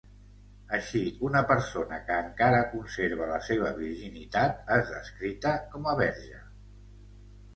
Així, una persona que encara conserva la seva virginitat és descrita com a verge.